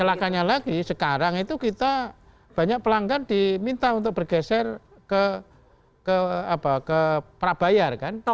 celakanya lagi sekarang itu kita banyak pelanggan diminta untuk bergeser ke prabayar kan